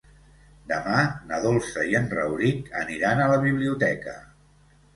Demà na Dolça i en Rauric aniran a la biblioteca.